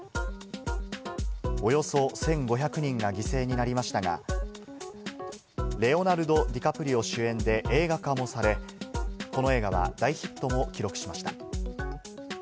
およそ１５００人が犠牲になりましたが、レオナルド・ディカプリオ主演で映画化もされ、この映画は大ヒットも記録しました。